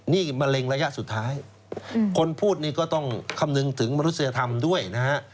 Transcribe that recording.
นี่มะเร็งระยะสุดท้ายคนพูดนี่ก็ต้องคำนึงถึงมนุษยธรรมด้วยนะฮะ